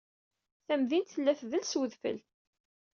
Tamdint tella tdel s wedfel.